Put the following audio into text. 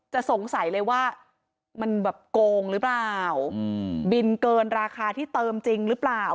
สงสัยเลยว่ามันแบบโกงหรือเปล่าบินเกินราคาที่เติมจริงหรือเปล่า